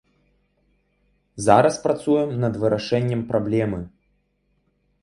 Зараз працуем над вырашэннем праблемы.